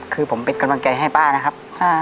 คือผมเป็นกำลังใจให้ป้านะครับ